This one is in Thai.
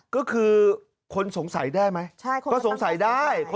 ก็คือคนสงสัยได้ไหมก็สงสัยได้